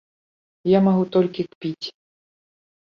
Я магу толькі кпіць.